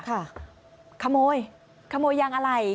ครับขโมยขโมยอย่างอะไร